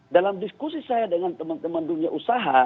dalam diskusi saya dengan teman teman dunia usaha